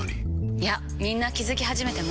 いやみんな気付き始めてます。